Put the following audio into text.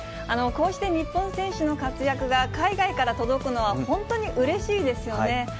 こうして日本選手の活躍が海外から届くのは本当にうれしいですよね。